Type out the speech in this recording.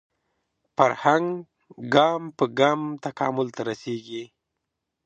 فرهنګ ګام په ګام تکامل ته رسېږي